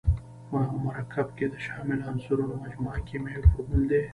په یو مرکب کې د شاملو عنصرونو مجموعه کیمیاوي فورمول دی.